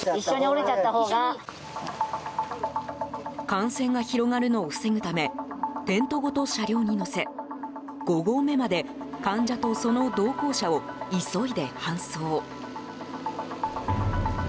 感染が広がるのを防ぐためテントごと車両に乗せ五合目まで患者とその同行者を急いで搬送。